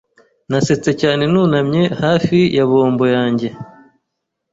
Nasetse cyane Nunamye hafi ya bombo yanjye.